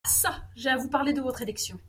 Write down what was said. Ah çà ! j’ai à vous parler de votre élection…